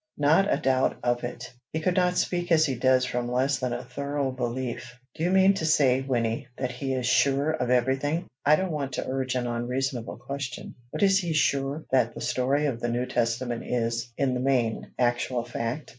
"Not a doubt of it. He could not speak as he does from less than a thorough belief." "Do you mean to say, Wynnie, that he is sure of every thing, I don't want to urge an unreasonable question, but is he sure that the story of the New Testament is, in the main, actual fact?